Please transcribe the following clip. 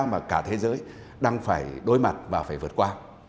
mà cả thế giới đang phải đối mặt và phải vượt qua